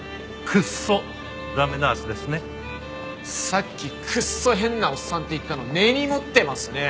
さっきクッソ変なおっさんって言ったの根に持ってますね。